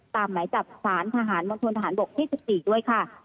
ตามหมายจับศาลทหารมนตรฐานบกที่๑๔ด้วยค่ะ